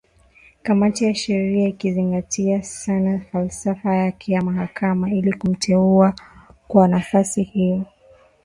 Kamati ya sheria ikizingatia sana falsafa yake ya mahakama, ili kumteua kwa nafasi hiyo.